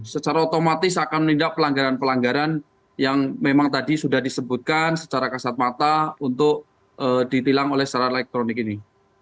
secara otomatis akan menindak pelanggaran pelanggaran yang memang tadi sudah disebutkan secara kasat mata untuk ditilang oleh secara elektronik ini